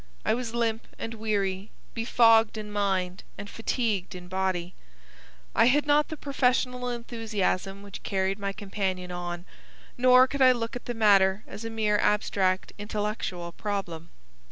I was limp and weary, befogged in mind and fatigued in body. I had not the professional enthusiasm which carried my companion on, nor could I look at the matter as a mere abstract intellectual problem.